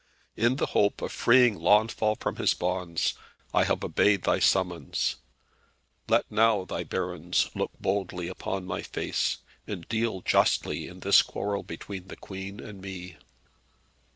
In the hope of freeing Launfal from his bonds, I have obeyed thy summons. Let now thy barons look boldly upon my face, and deal justly in this quarrel between the Queen and me."